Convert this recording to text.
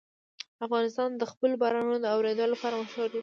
افغانستان د خپلو بارانونو د اورېدو لپاره مشهور دی.